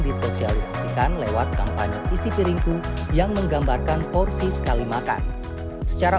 disosialisasikan lewat kampanye isi piringku yang menggambarkan porsi sekali makan secara